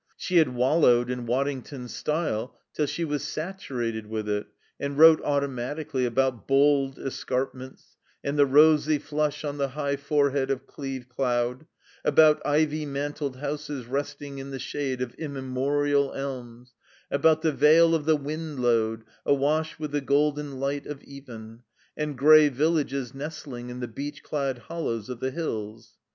She had wallowed in Waddington's style till she was saturated with it and wrote automatically about "bold escarpments" and "the rosy flush on the high forehead of Cleeve Cloud"; about "ivy mantled houses resting in the shade of immemorial elms"; about the vale of the Windlode, "awash with the golden light of even," and "grey villages nestling in the beech clad hollows of the hills."